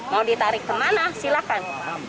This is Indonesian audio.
mau ditarik kemana silahkan